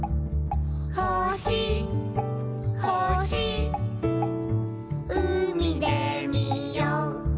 「ほしほしうみでみよう」